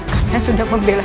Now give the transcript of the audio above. karena sudah membelas